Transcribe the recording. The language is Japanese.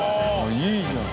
いいじゃん。